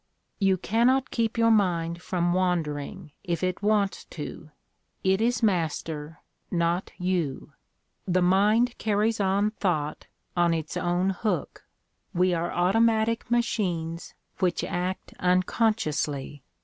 "You cannot keep your mind from wandering, if it wants to; it is master, not you. ... The mind carries on thought on its own hook. ... We are auto matic machines which act unconsciously.